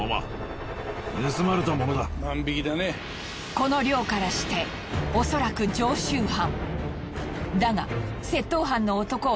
この量からしておそらく常習犯。